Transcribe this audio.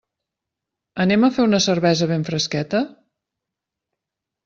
Anem a fer una cervesa ben fresqueta?